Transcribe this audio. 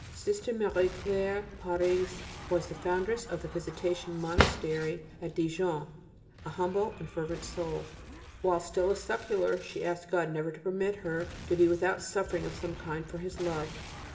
[B] Sister Marie Claire Parise was the foundress of the Visitation Monastery at Dijon a humble and fervent soul. While still a secular she asked God never to permit her to be without suffering of some kind for His love.